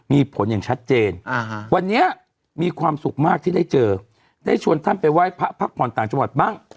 มีผลอย่างชัดเจนวันนี้มีความสุขมากที่ได้เจอได้ชวนท่านไปไหว้พระพักผ่อนต่างจังหวัดบ้าง